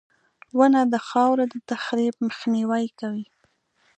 • ونه د خاورو د تخریب مخنیوی کوي.